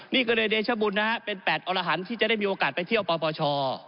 นี่กรณเดชบุญนะครับเป็น๘อลหารที่จะได้มีโอกาสไปเที่ยวป่อป่อช่อ